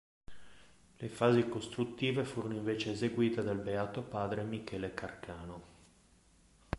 Le fasi costruttive furono invece seguite dal Beato padre Michele Carcano.